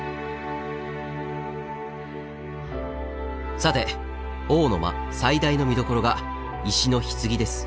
さて「王の間」最大の見どころが石の棺です。